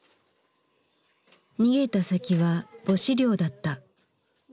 逃げた先は母子寮だった。